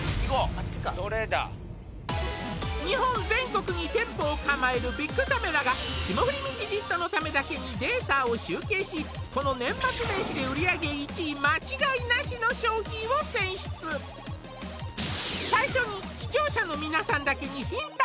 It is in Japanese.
あっちか日本全国に店舗を構えるビックカメラが「霜降りミキＸＩＴ」のためだけにデータを集計しこの年末年始で売り上げ１位間違いなしの商品を選出最初に視聴者の皆さんだけにヒント！